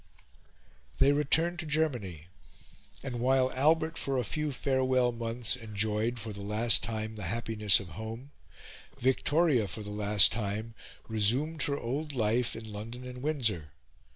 They returned to Germany; and while Albert, for a few farewell months, enjoyed, for the last time, the happiness of home, Victoria, for the last time, resumed her old life in London and Windsor.